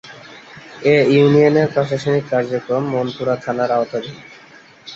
এ ইউনিয়নের প্রশাসনিক কার্যক্রম মনপুরা থানার আওতাধীন।